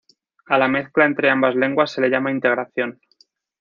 A la mezcla entre ambas lenguas se le llama integración.